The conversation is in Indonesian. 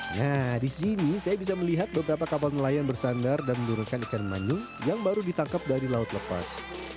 nah di sini saya bisa melihat beberapa kapal nelayan bersandar dan menurunkan ikan manyung yang baru ditangkap dari laut lepas